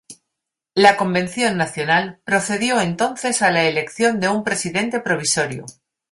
La Convención Nacional procedió entonces a la elección de un Presidente Provisorio.